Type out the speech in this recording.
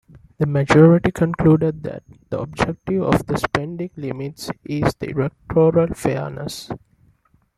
The majority concluded that the objective of the spending limits is electoral fairness.